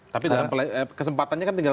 tapi kesempatannya kan tinggal